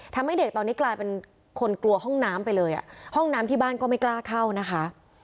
ทำให้เด็กตอนนี้กลายเป็นคนกลัวห้องน้ำไปเลยอ่ะห้องน้ำที่บ้านก็ไม่กล้าเข้านะคะ